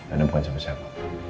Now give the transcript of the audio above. anda bukan sama siapa